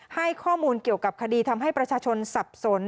ให้ข้อมูลเกี่ยวกับคดีทำให้ประชาชนสับสน